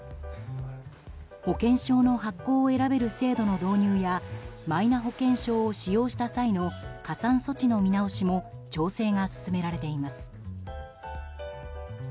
保険証の発行を選べる制度の導入やマイナ保険証を使用した際の加算措置の見直しも調整が進められています。